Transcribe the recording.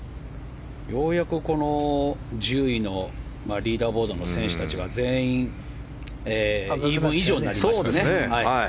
ようやく、この順位のリーダーボードの選手たちが全員イーブン以上になりましたね。